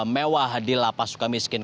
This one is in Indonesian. sudah pada kabesecond